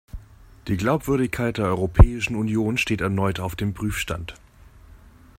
Die Glaubwürdigkeit der Europäischen Union steht erneut auf dem Prüfstand.